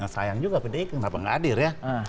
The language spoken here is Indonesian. sayang juga pak d kenapa tidak hadir ya